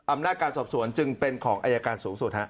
อำนาจการสอบสวนจึงเป็นของอายการสูงสุด